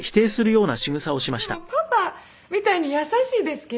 でもパパみたいに優しいですけど。